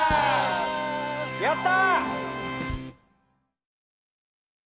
やった！